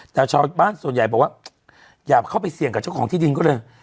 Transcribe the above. แต่ชาวบ้านส่วนใหญ่บอกว่าอย่าเข้าไปเสี่ยงกับเจ้าของที่ดินก็เลย